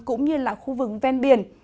cũng như là khu vực ven biển